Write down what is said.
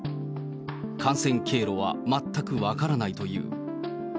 感染経路は全く分からないという。